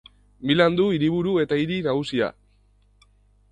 Milan du hiriburu eta hiri nagusia.